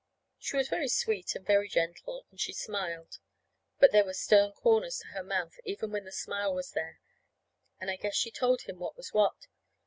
She was very sweet and very gentle, and she smiled; but there were stern corners to her mouth, even when the smile was there. And I guess she told him what was what.